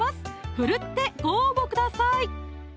奮ってご応募ください